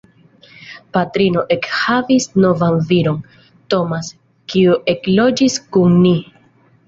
Patrino ekhavis novan viron, Tomas, kiu ekloĝis kun ni.